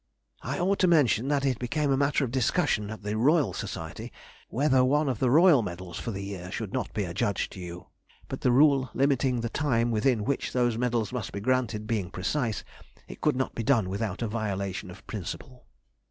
I ought to mention that it became a matter of discussion at the Royal Society whether one of the Royal medals for the year should not be adjudged to you, but the rule limiting the time within which those medals must be granted being precise, it could not be done without a violation of principle.